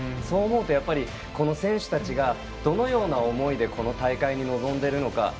そう思うと、選手たちがどのような思いでこの大会に臨んでいるのか。